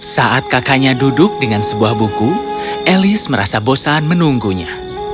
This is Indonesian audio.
saat kakaknya duduk dengan sebuah buku elis merasa bosan menunggunya